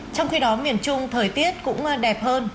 trong khi đó miền trung thời tiết cũng đẹp hơn